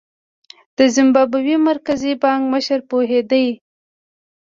د زیمبابوې د مرکزي بانک مشر پوهېده.